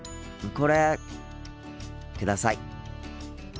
これください。